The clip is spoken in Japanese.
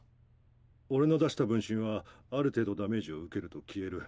俺の出した分身はある程度ダメージを受けると消える。